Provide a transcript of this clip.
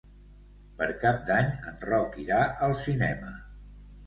Per Cap d'Any en Roc irà al cinema.